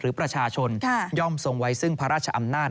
หรือประชาชนย่อมทรงไว้ซึ่งพระราชอำนาจ